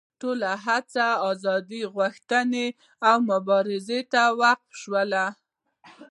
ټولې هڅې ازادي غوښتنې او مبارزو ته وقف شوې.